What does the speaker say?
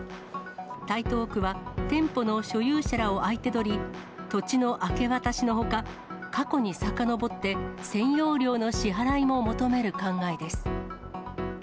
台東区は店舗の所有者らを相手取り、土地の明け渡しのほか、過去にさかのぼって占用料の支払いも求める考えです。